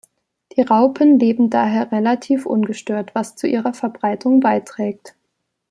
Die Raupen leben daher relativ ungestört, was zu ihrer Verbreitung beiträgt.